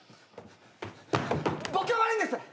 僕が悪いんです！